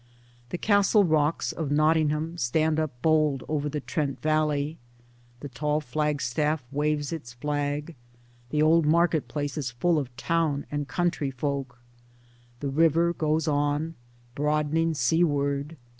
The Castle rock of Nottingham stands up bold over the Trent valley, the tall flagstaff waves its flag, the old market place is full of town and country folk. The river goes on broadening seaward.